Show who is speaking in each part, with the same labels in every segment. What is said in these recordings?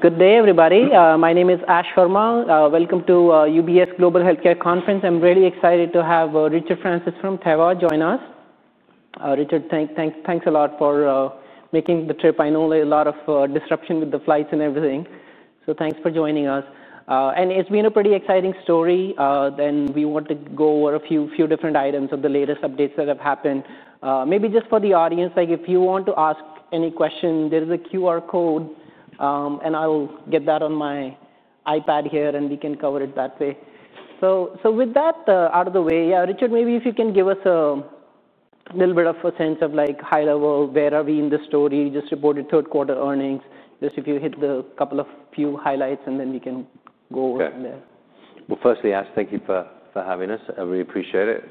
Speaker 1: Good day, everybody. My name is Ash Pharma. Welcome to UBS Global Healthcare Conference. I'm really excited to have Richard Francis from Teva join us. Richard, thanks a lot for making the trip. I know there's a lot of disruption with the flights and everything. Thanks for joining us. It's been a pretty exciting story. We want to go over a few different items of the latest updates that have happened. Maybe just for the audience, if you want to ask any question, there is a QR code, and I'll get that on my iPad here, and we can cover it that way. With that out of the way, Richard, maybe if you can give us a little bit of a sense of high level, where are we in the story? You just reported third quarter earnings. Just if you hit a couple of few highlights, and then we can go over from there.
Speaker 2: Firstly, Ash, thank you for having us. I really appreciate it.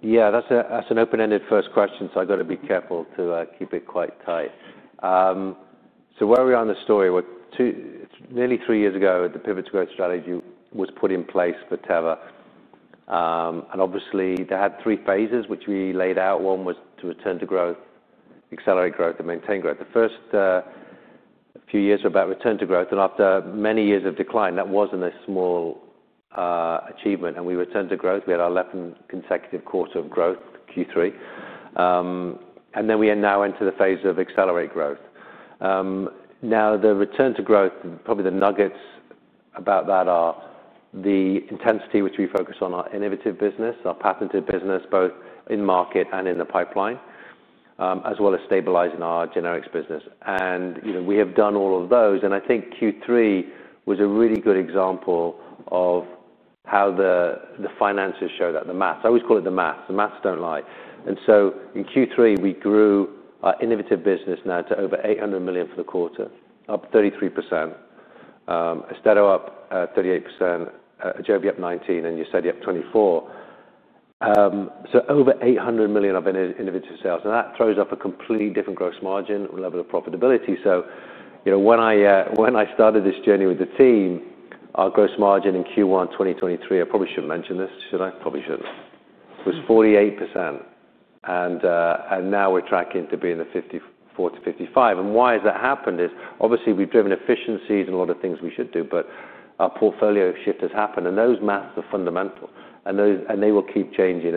Speaker 2: Yeah, that's an open-ended first question, so I've got to be careful to keep it quite tight. Where we are in the story, nearly three years ago, the pivot to growth strategy was put in place for Teva. Obviously, they had three phases, which we laid out. One was to return to growth, accelerate growth, and maintain growth. The first few years were about return to growth. After many years of decline, that wasn't a small achievement. We returned to growth. We had our 11th consecutive quarter of growth, Q3. We now enter the phase of accelerate growth. Now, the return to growth, probably the nuggets about that are the intensity, which we focus on our innovative business, our patented business, both in market and in the pipeline, as well as stabilizing our generics business. We have done all of those. I think Q3 was a really good example of how the finances show that, the maths. I always call it the maths. The maths do not lie. In Q3, we grew our innovative business now to over $800 million for the quarter, up 33%, Austedo up 38%, Ajovy up 19%, and UZEDY up 24%. Over $800 million of innovative sales. That throws off a completely different gross margin level of profitability. When I started this journey with the team, our gross margin in Q1 2023, I probably should not mention this, should I? Probably should not. It was 48%. Now we're tracking to be in the 40%-55%. Why has that happened is, obviously, we've driven efficiencies and a lot of things we should do, but our portfolio shift has happened. Those maths are fundamental, and they will keep changing.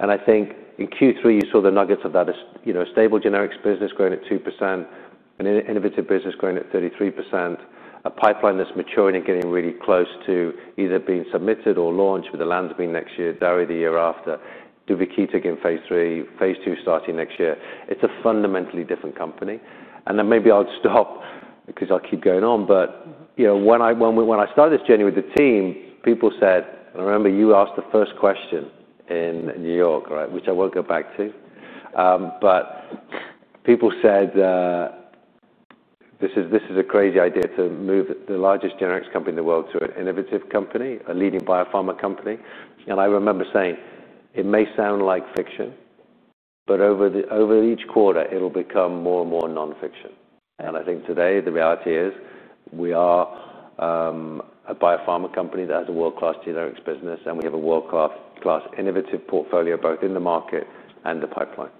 Speaker 2: I think in Q3, you saw the nuggets of that. A stable generics business growing at 2%, an innovative business growing at 33%, a pipeline that's maturing and getting really close to either being submitted or launched with the landing next year, DARI the year after, Duvakitug in phase three, phase two starting next year. It's a fundamentally different company. Maybe I'll stop because I'll keep going on. When I started this journey with the team, people said, and I remember you asked the first question in New York, which I won't go back to. People said, this is a crazy idea to move the largest generics company in the world to an innovative company, a leading biopharma company. I remember saying, it may sound like fiction, but over each quarter, it'll become more and more nonfiction. I think today, the reality is we are a biopharma company that has a world-class generics business, and we have a world-class innovative portfolio both in the market and the pipeline.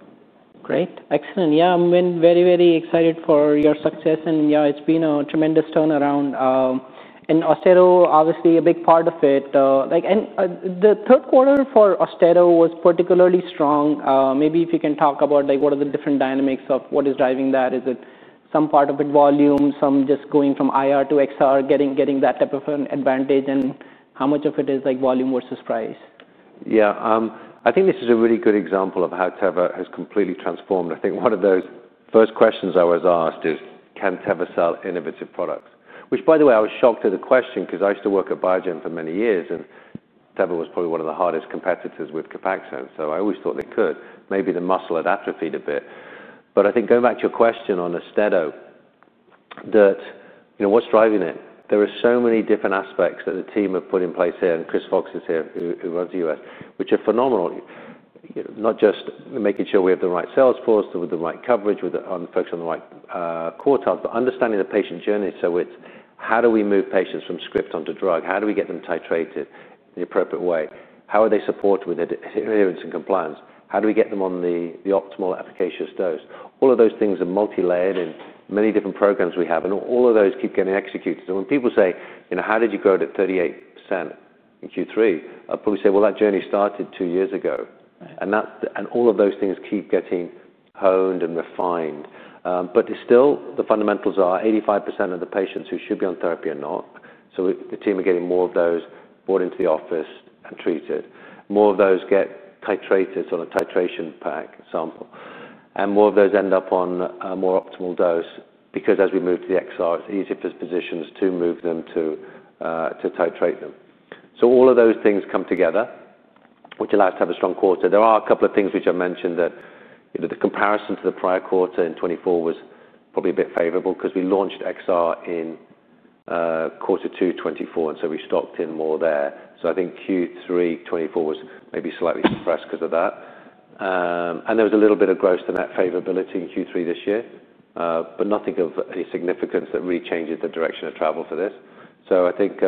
Speaker 1: Great. Excellent. Yeah, I'm very, very excited for your success. Yeah, it's been a tremendous turnaround. Austedo, obviously, a big part of it. The third quarter for Austedo was particularly strong. Maybe if you can talk about what are the different dynamics of what is driving that? Is it some part of it volume, some just going from IR to XR, getting that type of an advantage? How much of it is volume versus price?
Speaker 2: Yeah, I think this is a really good example of how Teva has completely transformed. I think one of those first questions I was asked is, can Teva sell innovative products? Which, by the way, I was shocked at the question because I used to work at Biogen for many years, and Teva was probably one of the hardest competitors with Copaxone. I always thought they could. Maybe the muscle had atrophied a bit. I think going back to your question on Austedo, what's driving it? There are so many different aspects that the team have put in place here, and Chris Fox is here who runs the US, which are phenomenal. Not just making sure we have the right sales force with the right coverage, with the folks on the right quartile, but understanding the patient journey. It is how do we move patients from script onto drug? How do we get them titrated in the appropriate way? How are they supported with adherence and compliance? How do we get them on the optimal efficacious dose? All of those things are multi-layered in many different programs we have, and all of those keep getting executed. When people say, how did you grow to 38% in Q3? I probably say, that journey started two years ago. All of those things keep getting honed and refined. Still, the fundamentals are 85% of the patients who should be on therapy are not. The team are getting more of those brought into the office and treated. More of those get titrated on a titration pack sample. More of those end up on a more optimal dose because as we move to the XR, it's easier for physicians to move them to titrate them. All of those things come together, which allows us to have a strong quarter. There are a couple of things which I mentioned that the comparison to the prior quarter in 2024 was probably a bit favorable because we launched XR in quarter two 2024, and we stocked in more there. I think Q3 2024 was maybe slightly suppressed because of that. There was a little bit of growth in that favorability in Q3 this year, but nothing of any significance that really changes the direction of travel for this. I think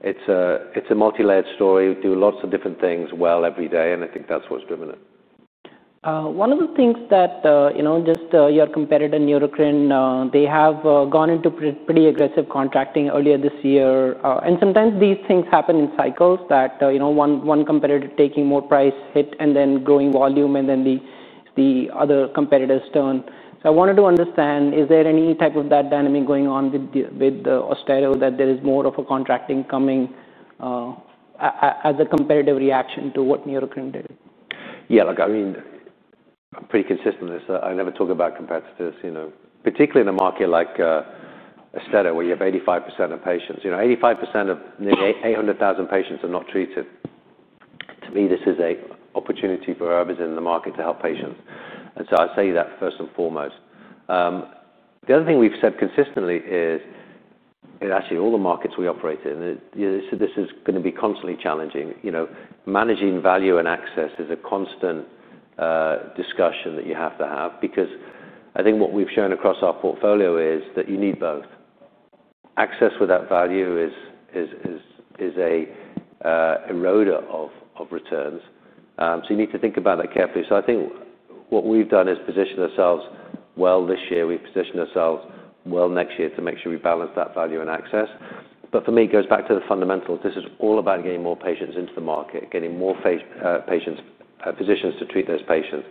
Speaker 2: it's a multi-layered story. We do lots of different things well every day, and I think that's what's driven it.
Speaker 1: One of the things that just your competitor, Neurocrine, they have gone into pretty aggressive contracting earlier this year. Sometimes these things happen in cycles that one competitor taking more price hit and then growing volume and then the other competitors turn. I wanted to understand, is there any type of that dynamic going on with Austedo that there is more of a contracting coming as a competitive reaction to what Neurocrine did?
Speaker 2: Yeah, look, I mean, I'm pretty consistent with this. I never talk about competitors, particularly in a market like Austedo, where you have 85% of patients. 85% of nearly 800,000 patients are not treated. To me, this is an opportunity for others in the market to help patients. I say that first and foremost. The other thing we've said consistently is, and actually all the markets we operate in, this is going to be constantly challenging. Managing value and access is a constant discussion that you have to have because I think what we've shown across our portfolio is that you need both. Access without value is an eroder of returns. You need to think about that carefully. I think what we've done is position ourselves well this year. We've positioned ourselves well next year to make sure we balance that value and access. For me, it goes back to the fundamentals. This is all about getting more patients into the market, getting more physicians to treat those patients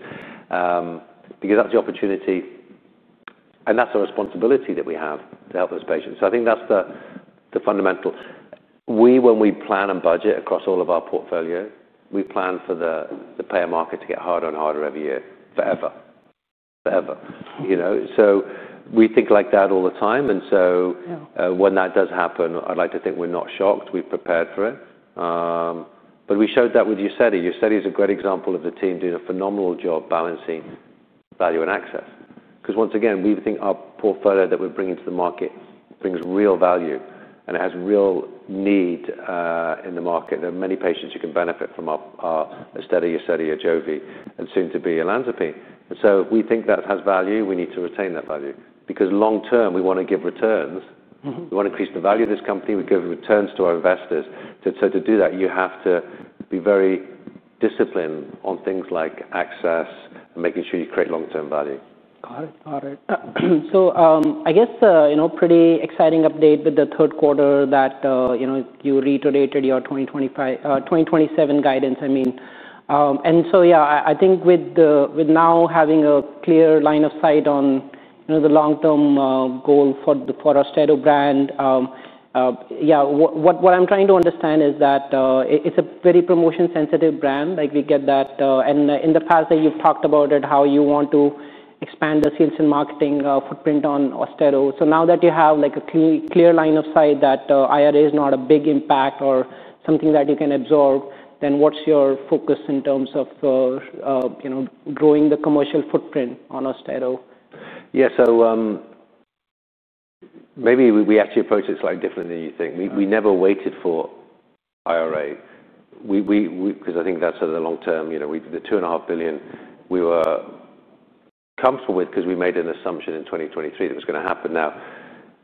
Speaker 2: because that's the opportunity, and that's a responsibility that we have to help those patients. I think that's the fundamental. We, when we plan and budget across all of our portfolio, we plan for the payer market to get harder and harder every year, forever. Forever. We think like that all the time. When that does happen, I'd like to think we're not shocked. We've prepared for it. We showed that with UZEDY. UZEDY is a great example of the team doing a phenomenal job balancing value and access. Once again, we think our portfolio that we're bringing to the market brings real value, and it has real need in the market. There are many patients who can benefit from our Austedo, UZEDY, Ajovy, and soon to be Olanzapine. If we think that has value, we need to retain that value. Because long term, we want to give returns. We want to increase the value of this company. We give returns to our investors. To do that, you have to be very disciplined on things like access and making sure you create long-term value.
Speaker 1: Got it. Got it. I guess pretty exciting update with the third quarter that you reiterated your 2027 guidance. I mean, and yeah, I think with now having a clear line of sight on the long-term goal for the Austedo brand, yeah, what I'm trying to understand is that it's a very promotion-sensitive brand. We get that. In the past, you've talked about how you want to expand the sales and marketing footprint on Austedo. Now that you have a clear line of sight that IRA is not a big impact or something that you can absorb, what's your focus in terms of growing the commercial footprint on Austedo?
Speaker 2: Yeah, so maybe we actually approached it slightly differently than you think. We never waited for IRA because I think that's sort of the long term. The $2.5 billion we were comfortable with because we made an assumption in 2023 that was going to happen. Now,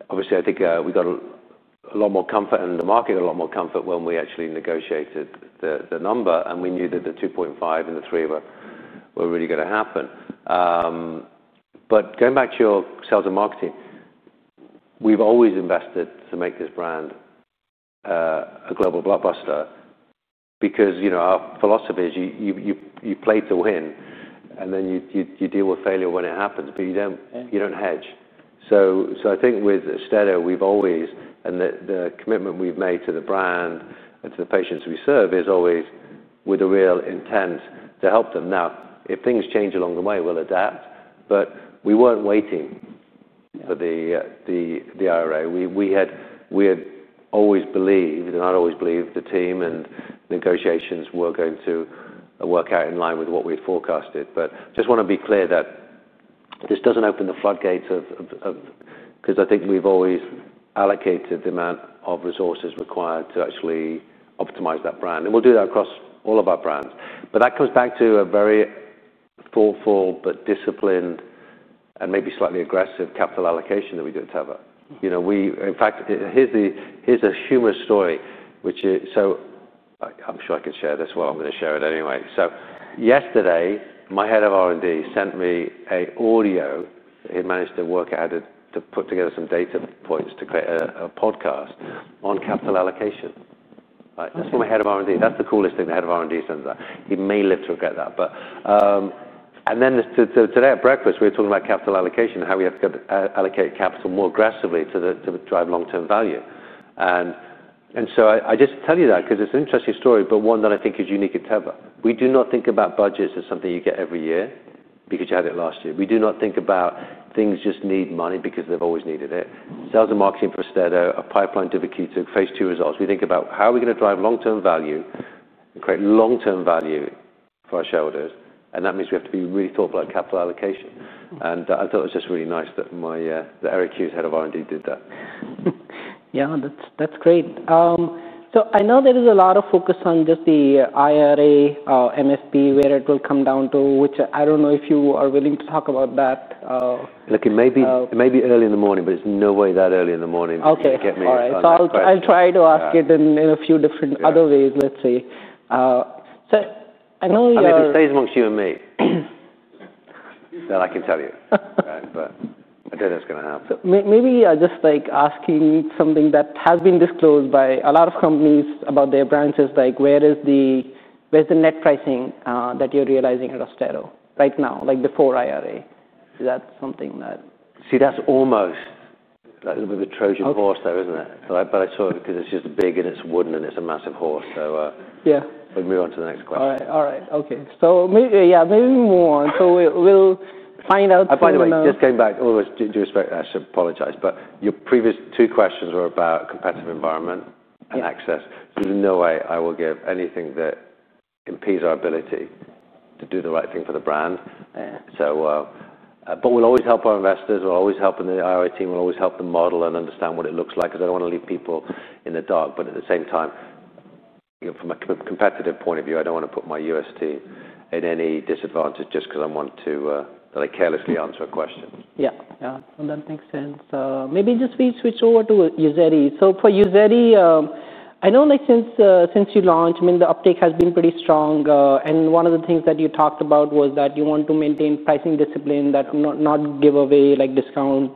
Speaker 2: obviously, I think we got a lot more comfort in the market, a lot more comfort when we actually negotiated the number, and we knew that the $2.5 billion and the $3 billion were really going to happen. Going back to your sales and marketing, we've always invested to make this brand a global blockbuster because our philosophy is you play to win, and then you deal with failure when it happens, but you don't hedge. I think with Austedo, we've always, and the commitment we've made to the brand and to the patients we serve is always with a real intent to help them. Now, if things change along the way, we'll adapt. We were not waiting for the IRA. We had always believed, and I'd always believed the team and negotiations were going to work out in line with what we had forecasted. I just want to be clear that this does not open the floodgates. I think we've always allocated the amount of resources required to actually optimize that brand. We'll do that across all of our brands. That comes back to a very thoughtful but disciplined and maybe slightly aggressive capital allocation that we do at Teva. In fact, here's a humorous story, which is, so I'm sure I could share this well. I'm going to share it anyway. Yesterday, my Head of R&D sent me an audio. He managed to work out to put together some data points to create a podcast on capital allocation. That's from my Head of R&D. That's the coolest thing the Head of R&D sends out. He may live to regret that. Today at breakfast, we were talking about capital allocation and how we have to allocate capital more aggressively to drive long-term value. I just tell you that because it's an interesting story, but one that I think is unique at Teva. We do not think about budgets as something you get every year because you had it last year. We do not think about things just need money because they've always needed it. Sales and marketing for Austedo, a pipeline to Duvakitug, phase two results. We think about how are we going to drive long-term value and create long-term value for our shareholders. That means we have to be really thoughtful about capital allocation. I thought it was just really nice that Eric Hughes, Head of R&D, did that.
Speaker 1: Yeah, that's great. I know there is a lot of focus on just the IRA, MSP, where it will come down to, which I don't know if you are willing to talk about that.
Speaker 2: Look, it may be early in the morning, but it's no way that early in the morning that you can get me a product.
Speaker 1: All right. I'll try to ask it in a few different other ways. Let's see. I know you're.
Speaker 2: I mean, if it stays amongst you and me, then I can tell you. I do not know what is going to happen.
Speaker 1: Maybe just asking something that has been disclosed by a lot of companies about their branches, like where is the net pricing that you're realizing at Austedo right now, like before IRA? Is that something that?
Speaker 2: See, that's almost a little bit of a Trojan horse there, isn't it? I saw it because it's just big and it's wooden and it's a massive horse. We will move on to the next question.
Speaker 1: All right. Okay. So yeah, maybe move on. So we'll find out.
Speaker 2: By the way, just going back, always due respect, I should apologize, but your previous two questions were about competitive environment and access. There is no way I will give anything that impedes our ability to do the right thing for the brand. We will always help our investors. We will always help the IRA team. We will always help them model and understand what it looks like because I do not want to leave people in the dark. At the same time, from a competitive point of view, I do not want to put my US team at any disadvantage just because I want to carelessly answer a question.
Speaker 1: Yeah. Yeah. No, that makes sense. Maybe just we switch over to UZEDY. So for UZEDY, I know since you launched, I mean, the uptake has been pretty strong. And one of the things that you talked about was that you want to maintain pricing discipline, not give away discount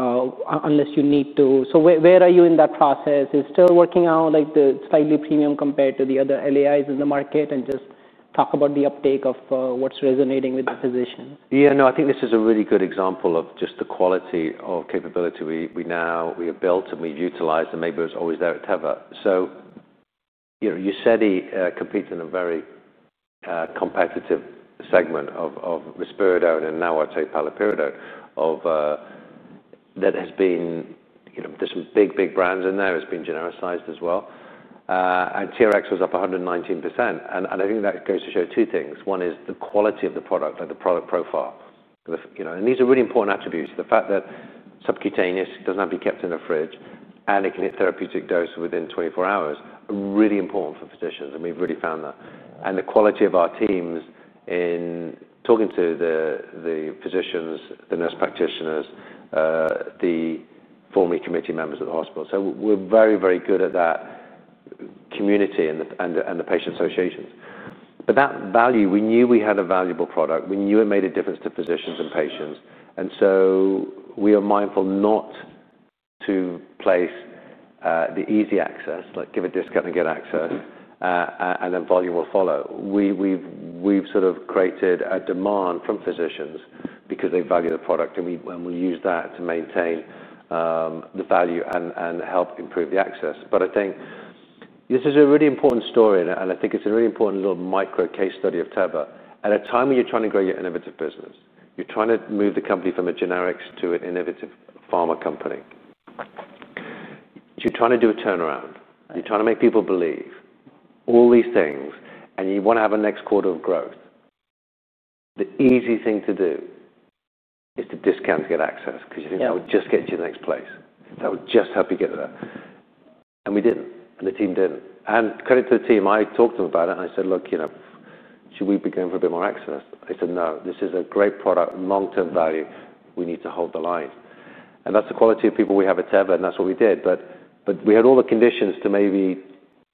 Speaker 1: unless you need to. Where are you in that process? Is it still working out, the slightly premium compared to the other LAIs in the market? Just talk about the uptake of what's resonating with the physicians.
Speaker 2: Yeah. No, I think this is a really good example of just the quality of capability we have built and we've utilized and maybe was always there at Teva. So UZEDY competes in a very competitive segment of Risperidone and now I'd say Paliperidone that has been there's some big, big brands in there. It's been genericized as well. And TRX was up 119%. I think that goes to show two things. One is the quality of the product, the product profile. These are really important attributes. The fact that subcutaneous doesn't have to be kept in a fridge, and it can hit therapeutic dose within 24 hours are really important for physicians. We've really found that. The quality of our teams in talking to the physicians, the nurse practitioners, the formally committed members of the hospital. We're very, very good at that community and the patient associations. That value, we knew we had a valuable product. We knew it made a difference to physicians and patients. We are mindful not to place the easy access, like give a discount and get access, and then volume will follow. We've sort of created a demand from physicians because they value the product, and we'll use that to maintain the value and help improve the access. I think this is a really important story, and I think it's a really important little micro case study of Teva. At a time when you're trying to grow your innovative business, you're trying to move the company from a generic to an innovative pharma company. You're trying to do a turnaround. You're trying to make people believe all these things, and you want to have a next quarter of growth. The easy thing to do is to discount and get access because you think that would just get you to the next place. That would just help you get there. We didn't. The team didn't. Credit to the team. I talked to them about it, and I said, "Look, should we be going for a bit more access?" They said, "No, this is a great product, long-term value. We need to hold the line." That is the quality of people we have at Teva, and that is what we did. We had all the conditions to maybe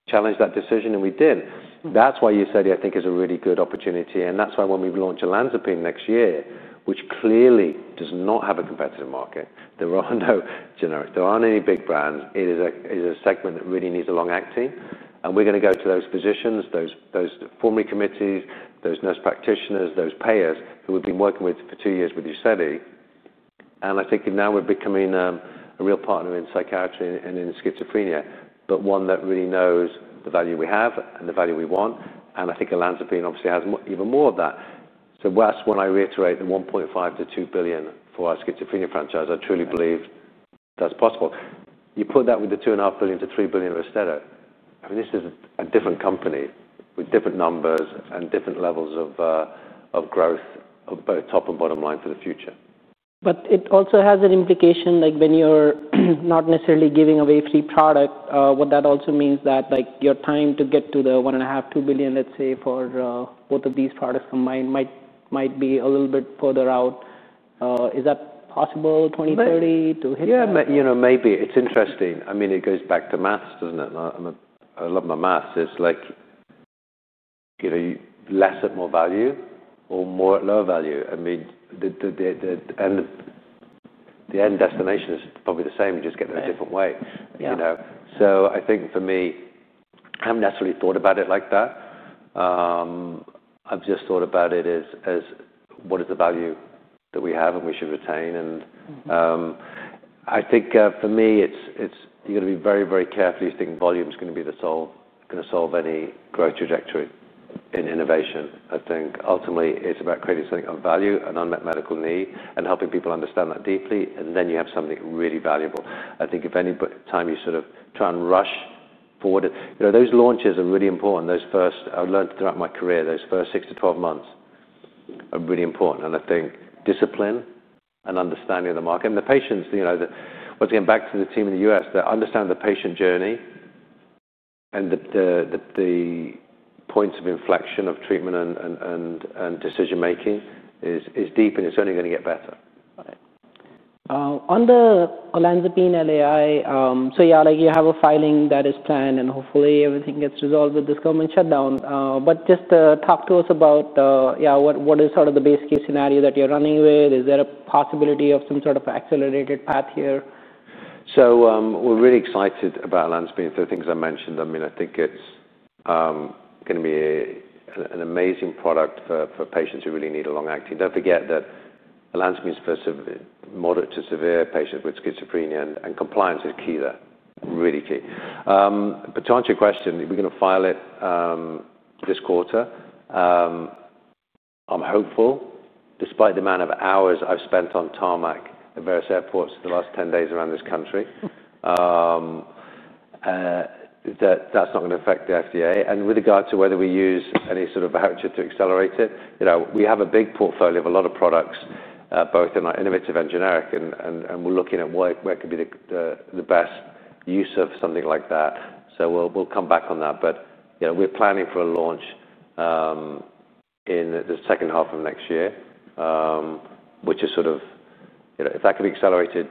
Speaker 2: challenge that decision, and we did. That is why UZEDY, I think, is a really good opportunity. That is why when we launch Olanzapine next year, which clearly does not have a competitive market, there are no generics. There are not any big brands. It is a segment that really needs a long acting. We are going to go to those physicians, those formally committed, those nurse practitioners, those payers who we have been working with for two years with UZEDY. I think now we are becoming a real partner in psychiatry and in schizophrenia, but one that really knows the value we have and the value we want. I think Olanzapine obviously has even more of that. That is when I reiterate the $1.5 billion-$2 billion for our schizophrenia franchise. I truly believe that is possible. You put that with the $2.5 billion-$3 billion of Austedo. I mean, this is a different company with different numbers and different levels of growth, both top and bottom line for the future.
Speaker 1: It also has an implication when you're not necessarily giving away free product. What that also means is that your time to get to the $1.5 billion-$2 billion, let's say, for both of these products combined might be a little bit further out. Is that possible 2030 to hit?
Speaker 2: Yeah, maybe. It's interesting. I mean, it goes back to maths, doesn't it? I love my maths. It's like less at more value or more at lower value. I mean, the end destination is probably the same. You just get there a different way. I think for me, I haven't necessarily thought about it like that. I've just thought about it as what is the value that we have and we should retain. I think for me, you've got to be very, very carefully thinking volume is going to be the sole going to solve any growth trajectory in innovation. I think ultimately, it's about creating something of value and unmet medical need and helping people understand that deeply. Then you have something really valuable. I think if any time you sort of try and rush forward, those launches are really important. I've learned throughout my career, those first 6 to 12 months are really important. I think discipline and understanding of the market and the patients, once again, back to the team in the US, that understanding the patient journey and the points of inflection of treatment and decision-making is deep, and it's only going to get better.
Speaker 1: Got it. Under Olanzapine LAI, so yeah, you have a filing that is planned, and hopefully, everything gets resolved with this government shutdown. Just talk to us about, yeah, what is sort of the base case scenario that you're running with? Is there a possibility of some sort of accelerated path here?
Speaker 2: We're really excited about Olanzapine. The things I mentioned, I mean, I think it's going to be an amazing product for patients who really need a long acting. Don't forget that Olanzapine is for moderate to severe patients with schizophrenia, and compliance is key there. Really key. To answer your question, we're going to file it this quarter. I'm hopeful, despite the amount of hours I've spent on tarmac at various airports for the last 10 days around this country, that that's not going to affect the FDA. With regard to whether we use any sort of voucher to accelerate it, we have a big portfolio of a lot of products, both in our innovative and generic, and we're looking at where could be the best use of something like that. We'll come back on that. We're planning for a launch in the second half of next year, which is sort of, if that can be accelerated,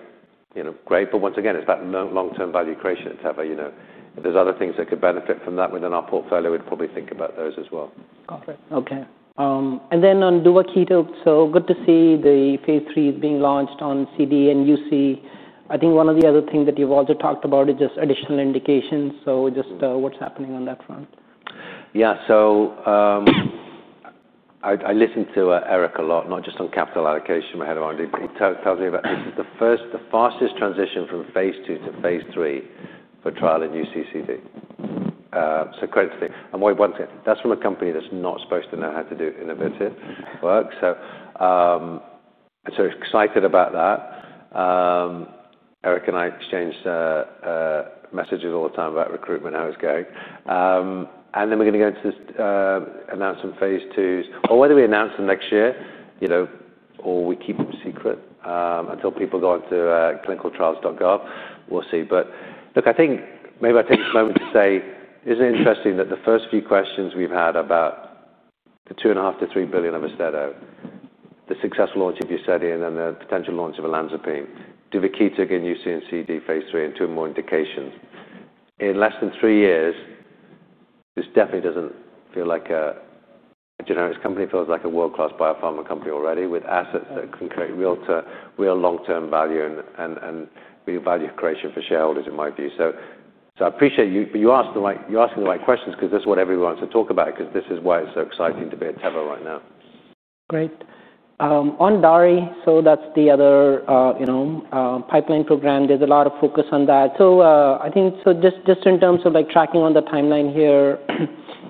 Speaker 2: great. Once again, it's that long-term value creation at Teva. If there's other things that could benefit from that within our portfolio, we'd probably think about those as well.
Speaker 1: Got it. Okay. And then on Duvakitug, so good to see the phase three is being launched on CD and UC. I think one of the other things that you've also talked about is just additional indications. Just what's happening on that front?
Speaker 2: Yeah. I listen to Eric a lot, not just on capital allocation. My Head of R&D tells me this is the fastest transition from phase two to phase three for trial in UC and CD. Credit to the team. Why once again, that's from a company that's not supposed to know how to do innovative work. Excited about that. Eric and I exchange messages all the time about recruitment, how it's going. We are going to go into announcing phase twos. Whether we announce them next year or we keep them secret until people go on to clinicaltrials.gov, we'll see. Look, I think maybe I take this moment to say, isn't it interesting that the first few questions we've had about the $2.5 billion-$3 billion of Austedo, the successful launch of UZEDY and then the potential launch of Olanzapine, Duvakitug again, UC and CD phase three, and two more indications. In less than three years, this definitely doesn't feel like a generic company. It feels like a world-class biopharma company already with assets that can create real long-term value and real value creation for shareholders, in my view. I appreciate you asking the right questions because that's what everyone wants to talk about because this is why it's so exciting to be at Teva right now.
Speaker 1: Great. On DARI, so that's the other pipeline program. There's a lot of focus on that. I think just in terms of tracking on the timeline here,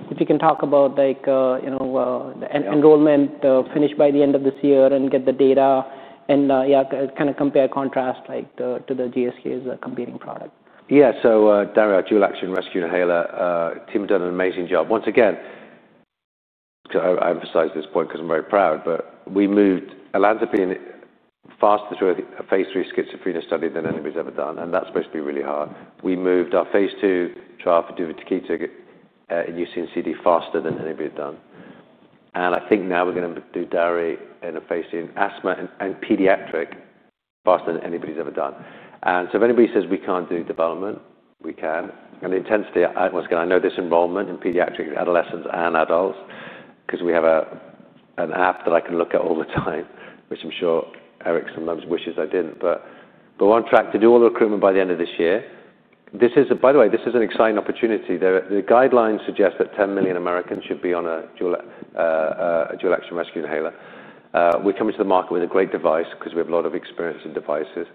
Speaker 1: if you can talk about the enrollment finished by the end of this year and get the data and kind of compare contrast to the GSK's competing product.
Speaker 2: Yeah. DARI, our dual action rescue inhaler, the team have done an amazing job. Once again, I emphasize this point because I'm very proud, but we moved Olanzapine faster through a phase three schizophrenia study than anybody's ever done. That's supposed to be really hard. We moved our phase two trial for Duvakitug in UC and CD faster than anybody had done. I think now we're going to do DARI in a phase two in asthma and pediatric faster than anybody's ever done. If anybody says we can't do development, we can. The intensity, once again, I know this enrollment in pediatric adolescents and adults because we have an app that I can look at all the time, which I'm sure Eric sometimes wishes I didn't. We're on track to do all the recruitment by the end of this year. By the way, this is an exciting opportunity. The guidelines suggest that 10 million Americans should be on a dual action rescue inhaler. We're coming to the market with a great device because we have a lot of experience in devices.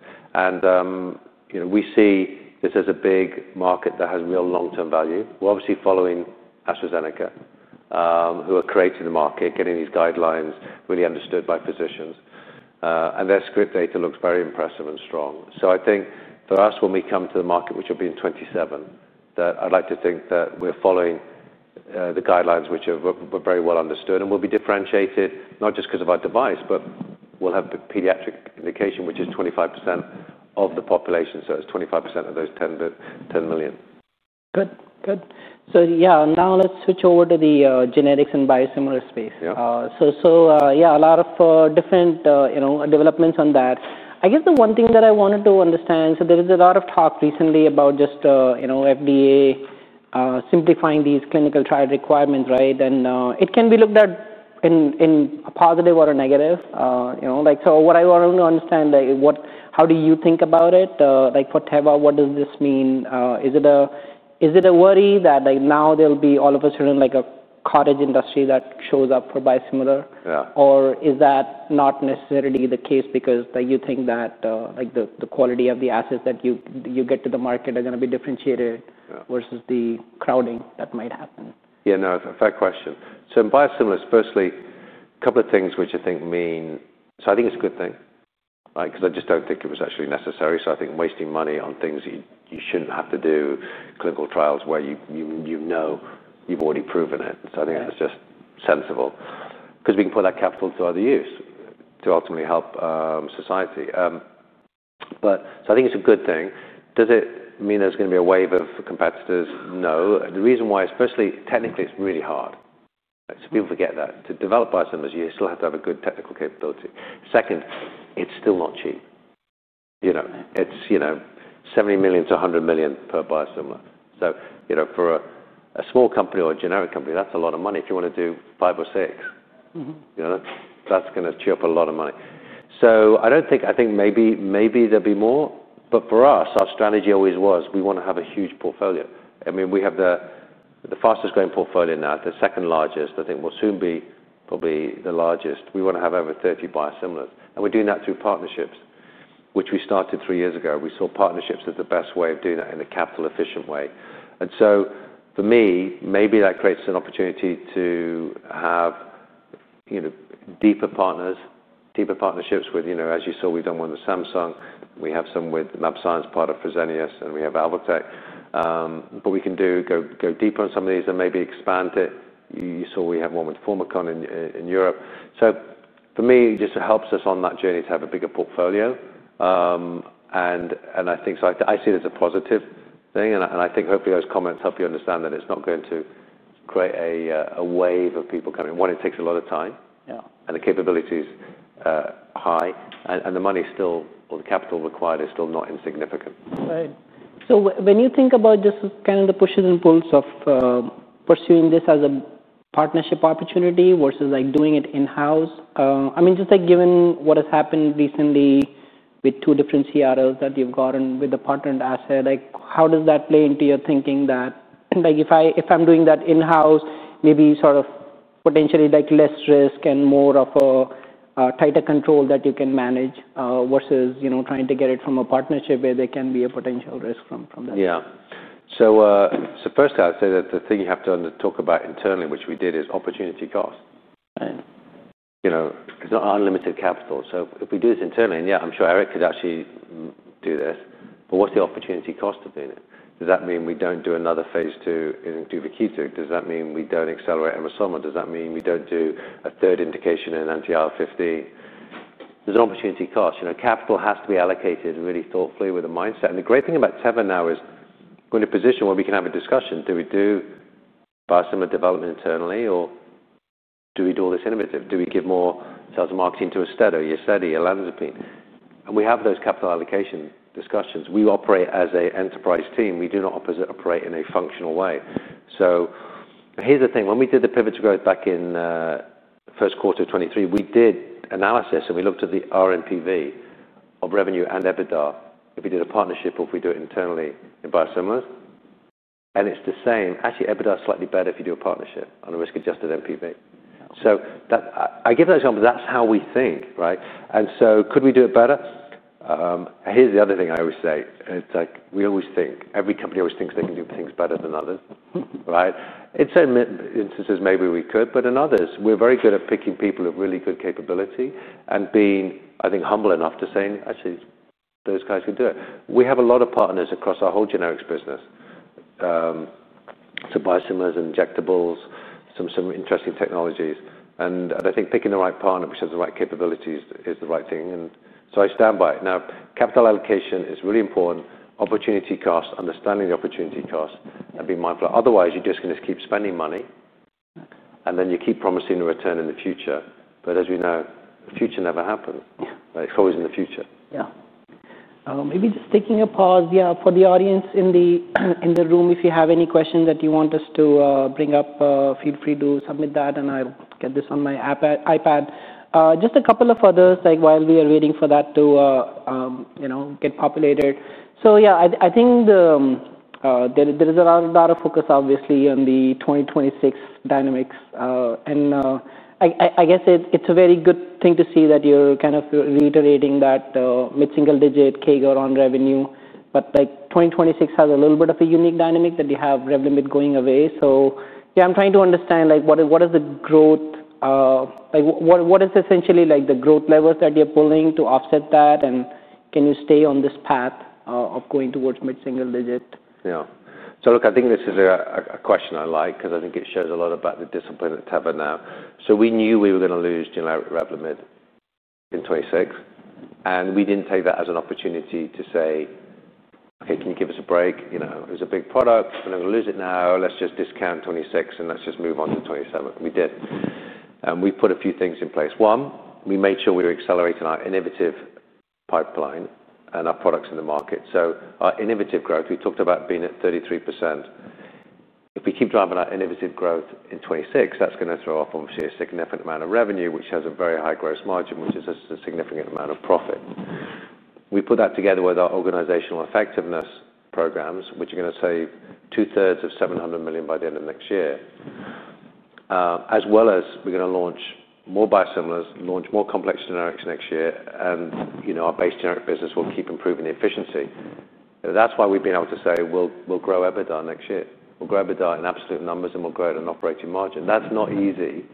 Speaker 2: We see this as a big market that has real long-term value. We're obviously following AstraZeneca, who are creating the market, getting these guidelines really understood by physicians. Their script data looks very impressive and strong. I think for us, when we come to the market, which will be in 2027, that I'd like to think that we're following the guidelines, which are very well understood. We'll be differentiated not just because of our device, but we'll have pediatric indication, which is 25% of the population. It's 25% of those 10 million.
Speaker 1: Good. Good. Yeah, now let's switch over to the generics and biosimilar space. Yeah, a lot of different developments on that. I guess the one thing that I wanted to understand, there was a lot of talk recently about just FDA simplifying these clinical trial requirements, right? It can be looked at in a positive or a negative. What I want to understand, how do you think about it? For Teva, what does this mean? Is it a worry that now there'll be all of a sudden a cottage industry that shows up for biosimilar? Or is that not necessarily the case because you think that the quality of the assets that you get to the market are going to be differentiated versus the crowding that might happen?
Speaker 2: Yeah, no, it's a fair question. In biosimilars, firstly, a couple of things which I think mean, I think it's a good thing because I just don't think it was actually necessary. I think wasting money on things you shouldn't have to do, clinical trials where you know you've already proven it. I think that's just sensible because we can put that capital to other use to ultimately help society. I think it's a good thing. Does it mean there's going to be a wave of competitors? No. The reason why, especially technically, it's really hard. People forget that. To develop biosimilars, you still have to have a good technical capability. Second, it's still not cheap. It's $70 million-$100 million per biosimilar. For a small company or a generic company, that's a lot of money. If you want to do five or six, that's going to chew up a lot of money. I think maybe there'll be more. For us, our strategy always was we want to have a huge portfolio. I mean, we have the fastest growing portfolio now, the second largest. I think we'll soon be probably the largest. We want to have over 30 biosimilars. We're doing that through partnerships, which we started three years ago. We saw partnerships as the best way of doing that in a capital-efficient way. For me, maybe that creates an opportunity to have deeper partners, deeper partnerships with, as you saw, we've done one with Samsung. We have some with LabScience, part of Fresenius, and we have Alvotech. We can go deeper on some of these and maybe expand it. You saw we have one with Pharmakon in Europe. For me, just helps us on that journey to have a bigger portfolio. I think I see it as a positive thing. I think hopefully those comments help you understand that it's not going to create a wave of people coming. One, it takes a lot of time, and the capability is high. The money still, or the capital required, is still not insignificant.
Speaker 1: Right. When you think about just kind of the pushes and pulls of pursuing this as a partnership opportunity versus doing it in-house, I mean, just given what has happened recently with two different CROs that you've gotten with the partnered asset, how does that play into your thinking that if I'm doing that in-house, maybe sort of potentially less risk and more of a tighter control that you can manage versus trying to get it from a partnership where there can be a potential risk from that?
Speaker 2: Yeah. First, I'd say that the thing you have to talk about internally, which we did, is opportunity cost. It's not unlimited capital. If we do this internally, and yeah, I'm sure Eric could actually do this, but what's the opportunity cost of doing it? Does that mean we don't do another phase two in Duvakitug? Does that mean we don't accelerate Emrysoma? Does that mean we don't do a third indication in AntiR15? There's an opportunity cost. Capital has to be allocated really thoughtfully with a mindset. The great thing about Teva now is we're in a position where we can have a discussion. Do we do biosimilar development internally, or do we do all this innovative? Do we give more sales and marketing to Austedo, UZEDY, Olanzapine? We have those capital allocation discussions. We operate as an enterprise team. We do not operate in a functional way. So here's the thing. When we did the pivot to growth back in the first quarter of 2023, we did analysis, and we looked at the RNPV of revenue and Epidar, if we did a partnership or if we do it internally in biosimilars. And it's the same. Actually, Epidar is slightly better if you do a partnership on a risk-adjusted NPV. So I give that example. That's how we think, right? And so could we do it better? Here's the other thing I always say. It's like we always think. Every company always thinks they can do things better than others, right? In some instances, maybe we could. But in others, we're very good at picking people of really good capability and being, I think, humble enough to say, actually, those guys could do it. We have a lot of partners across our whole generics business, so biosimilars and injectables, some interesting technologies. I think picking the right partner, which has the right capabilities, is the right thing. I stand by it. Now, capital allocation is really important. Opportunity cost, understanding the opportunity cost, and being mindful. Otherwise, you're just going to keep spending money, and then you keep promising a return in the future. As we know, the future never happens. It's always in the future.
Speaker 1: Yeah. Maybe just taking a pause. Yeah, for the audience in the room, if you have any questions that you want us to bring up, feel free to submit that, and I'll get this on my iPad. Just a couple of others while we are waiting for that to get populated. Yeah, I think there is a lot of focus, obviously, on the 2026 dynamics. I guess it's a very good thing to see that you're kind of reiterating that mid-single digit kegger on revenue. 2026 has a little bit of a unique dynamic that you have Revlimid going away. Yeah, I'm trying to understand what is the growth? What is essentially the growth levels that you're pulling to offset that? Can you stay on this path of going towards mid-single digit?
Speaker 2: Yeah. Look, I think this is a question I like because I think it shows a lot about the discipline at Teva now. We knew we were going to lose Revlimid in 2026. We did not take that as an opportunity to say, "Okay, can you give us a break? It was a big product. We're going to lose it now. Let's just discount 2026, and let's just move on to 2027." We did. We put a few things in place. One, we made sure we were accelerating our innovative pipeline and our products in the market. Our innovative growth, we talked about being at 33%. If we keep driving our innovative growth in 2026, that's going to throw off a significant amount of revenue, which has a very high gross margin, which is a significant amount of profit. We put that together with our organizational effectiveness programs, which are going to save two-thirds of $700 million by the end of next year. As well as we're going to launch more biosimilars, launch more complex generics next year, and our base generic business will keep improving the efficiency. That is why we've been able to say we'll grow EBITDA next year. We'll grow EBITDA in absolute numbers, and we'll grow it in operating margin. That is not easy,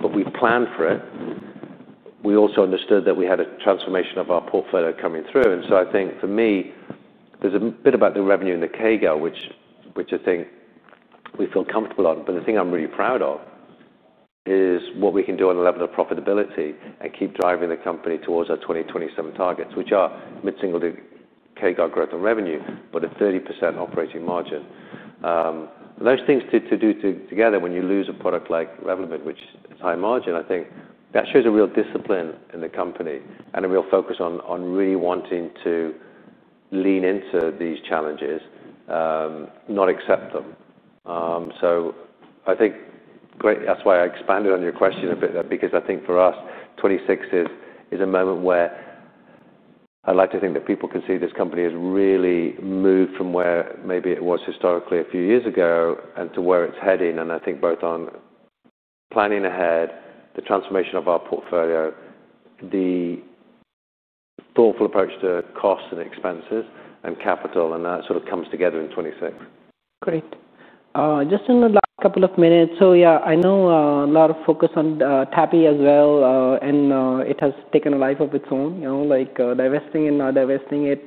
Speaker 2: but we've planned for it. We also understood that we had a transformation of our portfolio coming through. I think for me, there is a bit about the revenue and the CAGR, which I think we feel comfortable on. The thing I'm really proud of is what we can do on the level of profitability and keep driving the company towards our 2027 targets, which are mid-single digit CAGR growth in revenue, but a 30% operating margin. Those things to do together when you lose a product like Revlimid, which is high margin, I think that shows a real discipline in the company and a real focus on really wanting to lean into these challenges, not accept them. I think that's why I expanded on your question a bit because I think for us, 2026 is a moment where I'd like to think that people can see this company has really moved from where maybe it was historically a few years ago and to where it's heading. I think both on planning ahead, the transformation of our portfolio, the thoughtful approach to costs and expenses and capital, and that sort of comes together in 2026.
Speaker 1: Great. Just in the last couple of minutes, yeah, I know a lot of focus on TAPI as well, and it has taken a life of its own, like divesting and not divesting it.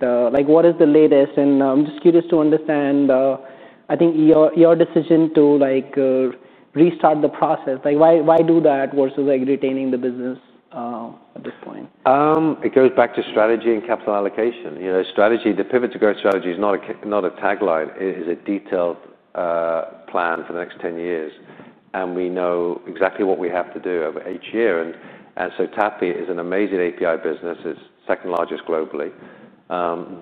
Speaker 1: What is the latest? I'm just curious to understand, I think, your decision to restart the process. Why do that versus retaining the business at this point?
Speaker 2: It goes back to strategy and capital allocation. The pivot to growth strategy is not a tagline. It is a detailed plan for the next 10 years. We know exactly what we have to do each year. Tapi is an amazing API business. It is second largest globally.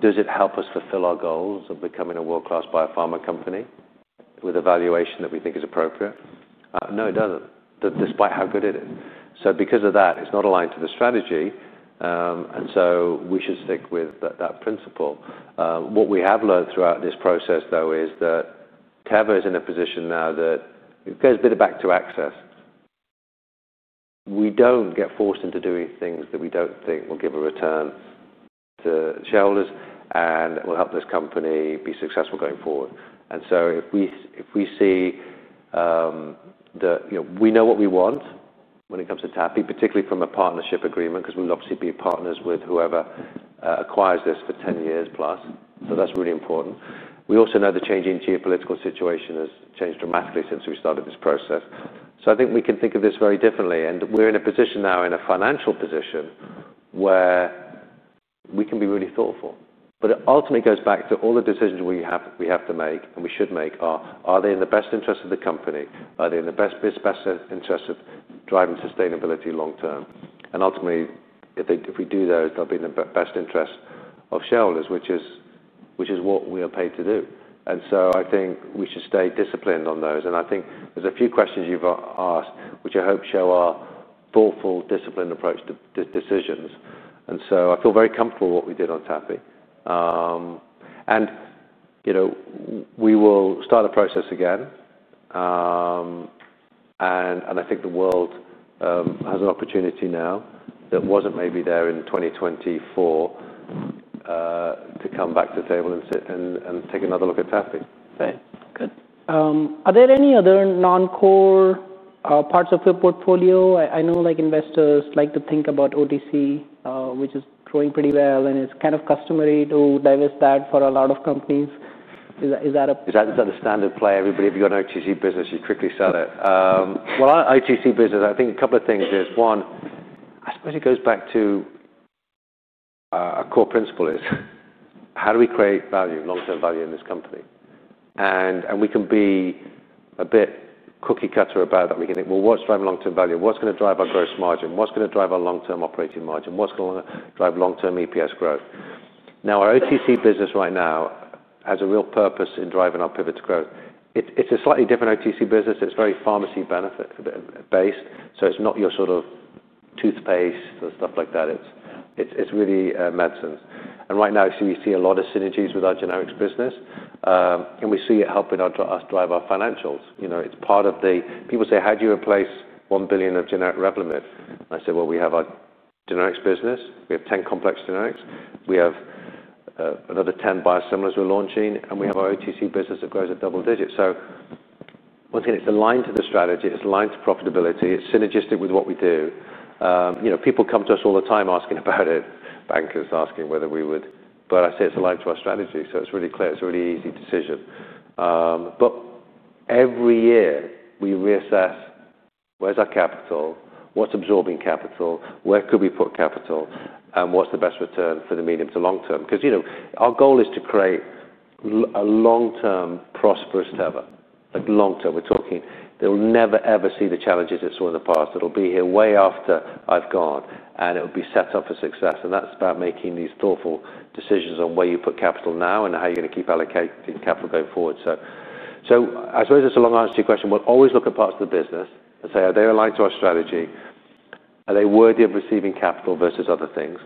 Speaker 2: Does it help us fulfill our goals of becoming a world-class biopharma company with a valuation that we think is appropriate? No, it does not, despite how good it is. Because of that, it is not aligned to the strategy. We should stick with that principle. What we have learned throughout this process, though, is that Teva is in a position now that it goes a bit back to access. We do not get forced into doing things that we do not think will give a return to shareholders and will help this company be successful going forward. If we see that we know what we want when it comes to TAPI, particularly from a partnership agreement, because we'll obviously be partners with whoever acquires this for 10 years plus. That is really important. We also know the changing geopolitical situation has changed dramatically since we started this process. I think we can think of this very differently. We are in a position now, in a financial position, where we can be really thoughtful. It ultimately goes back to all the decisions we have to make and we should make. Are they in the best interest of the company? Are they in the best interest of driving sustainability long-term? Ultimately, if we do those, they'll be in the best interest of shareholders, which is what we are paid to do. I think we should stay disciplined on those. I think there's a few questions you've asked, which I hope show our thoughtful, disciplined approach to decisions. I feel very comfortable with what we did on TAPI. We will start the process again. I think the world has an opportunity now that was not maybe there in 2024 to come back to the table and take another look at TAPI.
Speaker 1: Right. Good. Are there any other non-core parts of your portfolio? I know investors like to think about OTC, which is growing pretty well, and it's kind of customary to divest that for a lot of companies. Is that a?
Speaker 2: Is that the standard play? Everybody, if you've got an OTC business, you quickly sell it. OTC business, I think a couple of things is. One, I suppose it goes back to our core principle is how do we create value, long-term value in this company? We can be a bit cookie-cutter about that. We can think, what's driving long-term value? What's going to drive our gross margin? What's going to drive our long-term operating margin? What's going to drive long-term EPS growth? Our OTC business right now has a real purpose in driving our pivot to growth. It's a slightly different OTC business. It's very pharmacy benefit based. It's not your sort of toothpaste or stuff like that. It's really medicines. Right now, we see a lot of synergies with our generics business. We see it helping us drive our financials. It's part of the people say, how do you replace $1 billion of generic Revlimid? I say, well, we have our generics business. We have 10 complex generics. We have another 10 biosimilars we're launching. And we have our OTC business that grows at double digits. Once again, it's aligned to the strategy. It's aligned to profitability. It's synergistic with what we do. People come to us all the time asking about it, bankers asking whether we would. I say it's aligned to our strategy. It's really clear. It's a really easy decision. Every year, we reassess where's our capital, what's absorbing capital, where could we put capital, and what's the best return for the medium to long-term? Our goal is to create a long-term prosperous Teva. Long-term, we're talking they will never, ever see the challenges it saw in the past. It'll be here way after I've gone, and it will be set up for success. That is about making these thoughtful decisions on where you put capital now and how you're going to keep allocating capital going forward. I suppose it's a long answer to your question. We'll always look at parts of the business and say, are they aligned to our strategy? Are they worthy of receiving capital versus other things?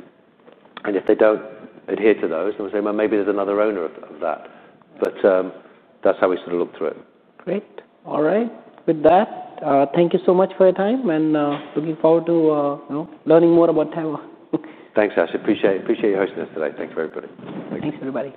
Speaker 2: If they do not adhere to those, then we'll say, maybe there's another owner of that. That is how we sort of look through it.
Speaker 1: Great. All right. With that, thank you so much for your time, and looking forward to learning more about Teva.
Speaker 2: Thanks, Ash. Appreciate your hosting us today. Thank you for everybody.
Speaker 1: Thanks everybody.